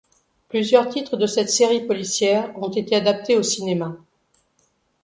Plusieurs titres de cette série policière ont été adaptés au cinéma.